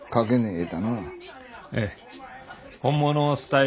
ええ。